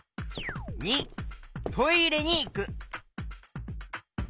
②トイレにいく。